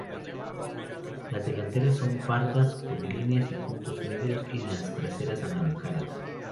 Las delanteras son pardas con líneas y puntos negros y las traseras anaranjadas.